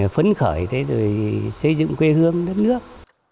phấn khởi thế rồi xây dựng quê hương đất nước